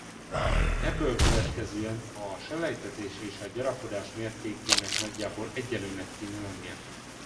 Ebből következően a selejtezés és a gyarapodás mértékének nagyjából egyenlőnek kéne lennie.